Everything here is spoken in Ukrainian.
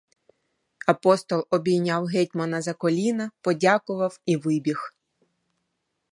Апостол обійняв гетьмана за коліна, подякував і вибіг.